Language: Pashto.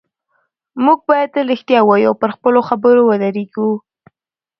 موږ باید تل رښتیا ووایو او پر خپلو خبرو ودرېږو